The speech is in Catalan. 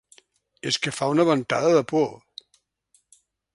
És que fa una ventada de por.